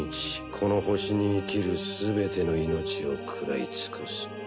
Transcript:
この星に生きるすべての命を食らい尽くす。